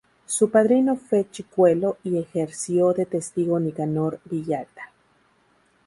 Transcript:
Su padrino fue Chicuelo y ejerció de testigo Nicanor Villalta.